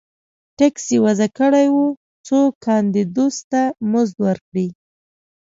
ټکس یې وضعه کړی و څو کاندیدوس ته مزد ورکړي